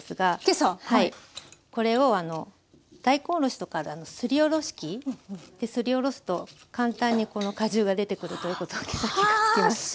これをあの大根おろしとかあるあのすりおろし器ですりおろすと簡単にこの果汁が出てくるということを今朝気が付きました。